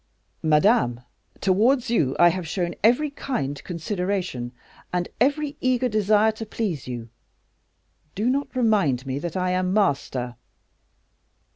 "Madame, towards you I have shown every kind consideration, and every eager desire to please you; do not remind me that I am master."